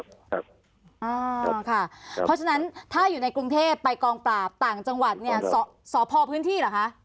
เพราะฉะนั้นถ้าอยู่ในกรุงเทพไปกองปราบต่างจังหวัดเนี่ยสพพื้นที่เหรอคะ